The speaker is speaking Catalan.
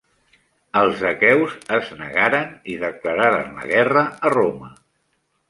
Els aqueus es negaren i declararen la guerra a Roma.